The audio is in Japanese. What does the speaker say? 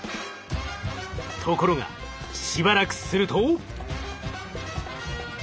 ところがしばらくすると。